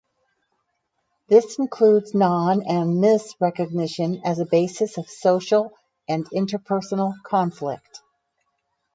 This includes non- and mis-recognition as a basis of social and interpersonal conflict.